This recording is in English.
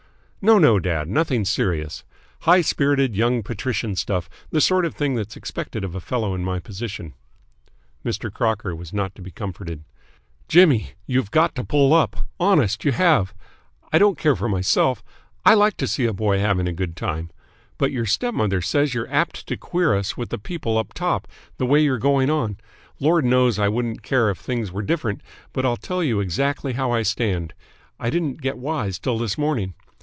"No, no, dad. Nothing serious. High spirited Young Patrician stuff, the sort of thing that's expected of a fellow in my position." Mr. Crocker was not to be comforted. "Jimmy, you've got to pull up. Honest, you have. I don't care for myself. I like to see a boy having a good time. But your stepmother says you're apt to queer us with the people up top, the way you're going on. Lord knows I wouldn't care if things were different, but I'll tell you exactly how I stand. I didn't get wise till this morning.